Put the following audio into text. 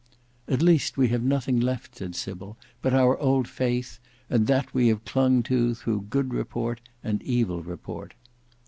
"At least we have nothing left," said Sybil, "but our old faith; and that we have clung to through good report and evil report."